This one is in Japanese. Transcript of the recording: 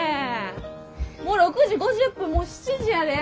もう６時５０分７時やで。